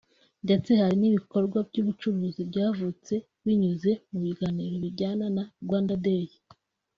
ndetse hari n’ ibikorwa by’ubucuruzi byavutse binyuze mu biganiro bijyana na Rwanda Day